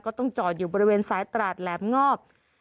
ต้องจอดอยู่บริเวณสายตราดแหลมงอบ